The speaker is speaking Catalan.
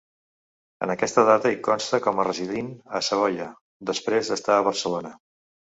En aquesta data hi consta com a residint a Savoia, després d'estar a Barcelona.